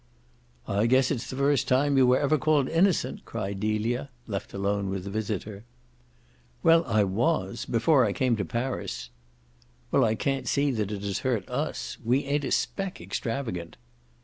"I guess it's the first time you were ever called innocent!" cried Delia, left alone with the visitor. "Well, I WAS before I came to Paris." "Well, I can't see that it has hurt US. We ain't a speck extravagant."